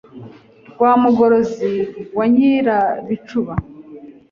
Rwa Mugorozi wa Nyirabicuba